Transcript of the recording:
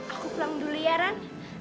aku pulang dulu ya ran